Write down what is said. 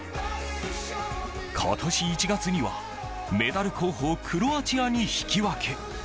今年１月にはメダル候補クロアチアに引き分け。